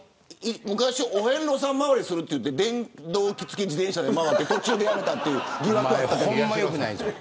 昔、お遍路さん周りすると言って電動機付き自転車で回って途中でやめたっていう疑惑ありますけど。